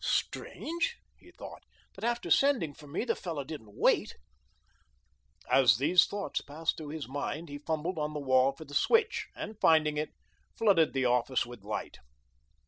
"Strange," he thought, "that after sending for me the fellow didn't wait." As these thoughts passed through his mind he fumbled on the wall for the switch, and, finding it, flooded the office with light.